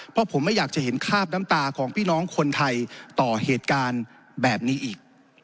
เพราะผมไม่อยากจะเห็นคราบน้ำตาของพี่น้องคนไทยต่อเหตุการณ์แบบนี้อีก